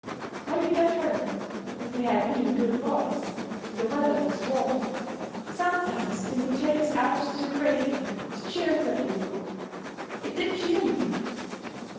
When we got home, if we had been good boys, and the weather was warm, sometimes they would take us out to the graveyard to cheer us up a little. It did cheer me.